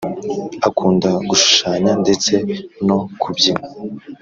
akunda gushushanya ndetse no kubyina,